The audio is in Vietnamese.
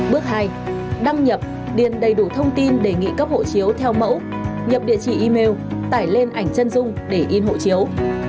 bước hai đăng nhập điền đầy đủ thông tin đề nghị cấp hộ chiếu theo mẫu nhập địa chỉ email tải lên ảnh chân dung để in hộ chiếu